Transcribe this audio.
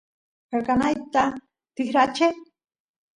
qelqanayta tikracheq